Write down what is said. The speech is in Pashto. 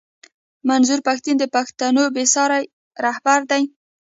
منظور پښتون د پښتنو بې ساری رهبر دی